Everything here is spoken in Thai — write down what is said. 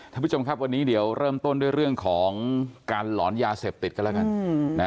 ท่านผู้ชมครับวันนี้เดี๋ยวเริ่มต้นด้วยเรื่องของการหลอนยาเสพติดกันแล้วกัน